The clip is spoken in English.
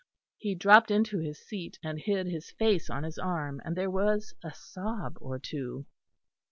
He dropped into his seat and hid his face on his arm; and there was a sob or two.